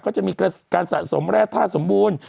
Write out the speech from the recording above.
ก็จะมีการสะสมแร่ท่าสมบูรณ์